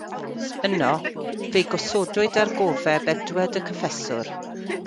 Yno, fe'i gosodwyd ar gofeb Edward y Cyffeswr.